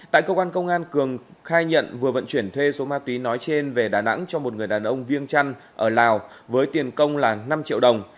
tại cơ quan công an cường khai nhận vừa vận chuyển thuê số ma túy nói trên về đà nẵng cho một người đàn ông viêng trăn ở lào với tiền công là năm triệu đồng